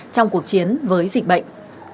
trong cuộc chiến với dịch bệnh